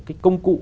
cái công cụ